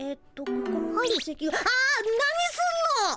何すんの！